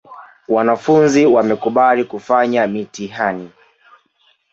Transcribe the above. wanafunzi wamekubali kufanya mitihani.